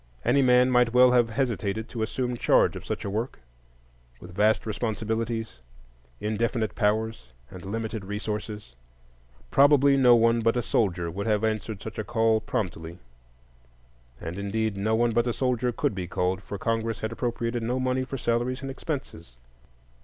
Any man might well have hesitated to assume charge of such a work, with vast responsibilities, indefinite powers, and limited resources. Probably no one but a soldier would have answered such a call promptly; and, indeed, no one but a soldier could be called, for Congress had appropriated no money for salaries and expenses.